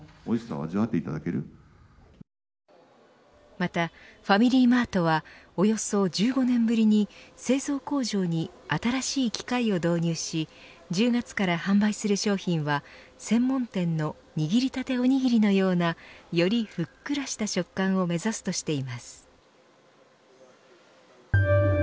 また、ファミリーマートはおよそ１５年ぶりに製造工場に新しい機械を導入し１０月から販売する商品は専門店の握りたておにぎりのようなよりふっくらした食感を目指すとしています。